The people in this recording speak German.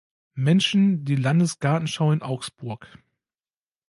Menschen die Landesgartenschau in Augsburg.